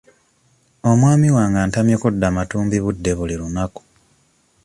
Omwami wange antamye kudda matumbi budde buli lunaku.